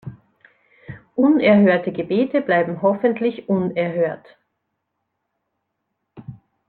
Unerhörte Gebete bleiben hoffentlich unerhört.